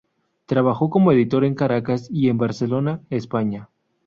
Trabajó como editor en Caracas y en Barcelona, España.